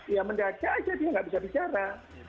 ya mendadak aja dia nggak bisa bicara